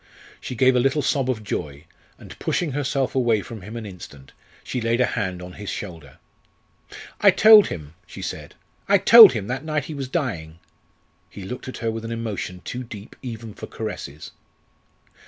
She gave a little sob of joy, and pushing herself away from him an instant, she laid a hand on his shoulder. "I told him," she said "I told him, that night he was dying." He looked at her with an emotion too deep even for caresses.